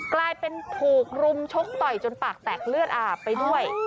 กลายเป็นถูกรุมชกต่อยจนปากแตกเลือดอาบไปด้วย